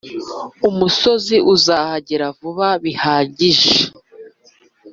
- umusozi uzahagera vuba bihagije